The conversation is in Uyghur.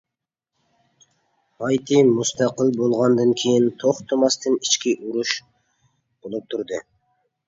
ھايتى مۇستەقىل بولغاندىن كېيىن توختىماستىن ئىچكى ئۇرۇش بولۇپ تۇردى.